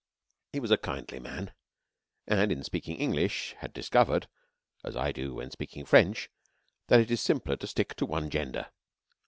He was a kindly man, and in speaking English had discovered (as I do when speaking French) that it is simpler to stick to one gender.